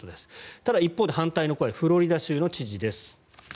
ただ一方で、反対の声フロリダ州の知事です。